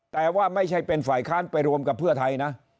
แต่ว่าไม่ใช่เป็นฝ่ายค้านไปรวมกับเพื่อไทยนะ